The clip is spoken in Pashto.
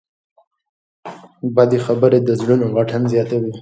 بدې خبرې د زړونو واټن زیاتوي.